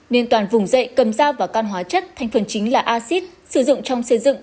nên toàn vùng dậy cầm dao và can hóa chất thành phần chính là acid sử dụng trong xây dựng